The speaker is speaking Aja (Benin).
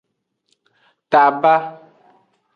Taba.